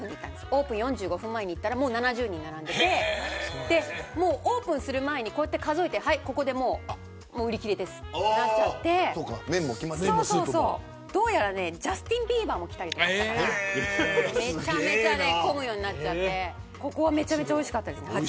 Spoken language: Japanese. オープン４５分前に行ったらもう７０人並んでてオープンする前に数えてここで売り切れですってなっちゃってどうやらジャスティン・ビーバーも来たりとかしたからめちゃめちゃ混むようになっちゃってめちゃめちゃおいしかったです。